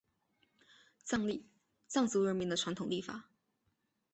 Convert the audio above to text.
藏历藏族人民的传统历法。